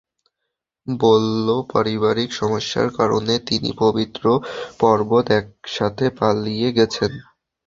বললো, পারিবারিক সমস্যার কারণে, তিনি, পবিত্র পর্বত একসাথে পালিয়ে গেছেন।